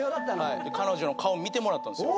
彼女の顔見てもらったんすよ。